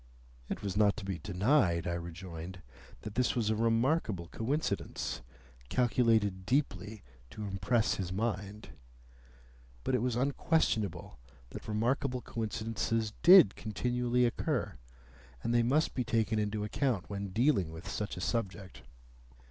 It was not to be denied, I rejoined, that this was a remarkable coincidence, calculated deeply to impress his mind. But it was unquestionable that remarkable coincidences did continually occur, and they must be taken into account in dealing with such a subject.